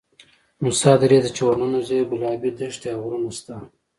موسی درې ته چې ورننوځې ګلابي دښتې او غرونه شته.